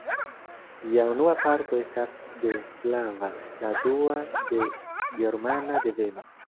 Ĝia unua parto estas de slava, la dua de germana deveno.